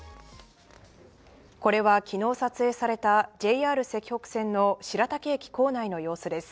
これは昨日撮影されたＪＲ石北線の白滝駅構内の様子です。